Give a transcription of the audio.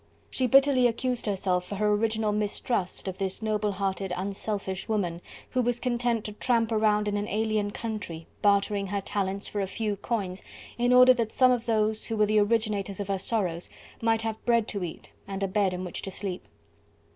She bitterly accused herself for her original mistrust of this noble hearted, unselfish woman, who was content to tramp around in an alien country, bartering her talents for a few coins, in order that some of those, who were the originators of her sorrows, might have bread to eat and a bed in which to sleep.